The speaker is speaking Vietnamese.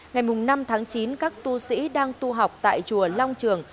ngày năm tháng chín các tu sĩ đang tu học tại chùa long trường